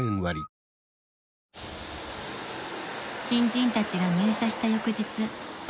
［新人たちが入社した翌日］